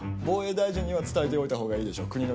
防衛大臣には伝えておいたほうがいいでしょう。